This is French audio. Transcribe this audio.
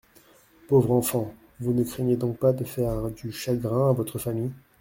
Pauvre enfant, vous ne craignez donc pas de faire du chagrin à votre famille ?